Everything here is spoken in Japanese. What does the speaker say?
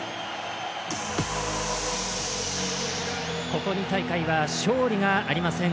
ここ２大会は勝利がありません